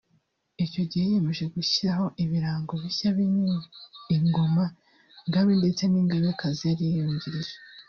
Icyo gihe yiyemeje gushyiraho ibirango bishya birimo Ingoma Ngabe ndetse n’Ingabekazi yari iyungirije